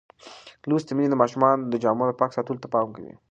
لوستې میندې د ماشومانو د جامو پاک ساتلو ته پام کوي.